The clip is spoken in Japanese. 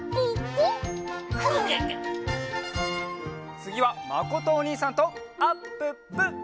つぎはまことおにいさんとあっぷっぷ！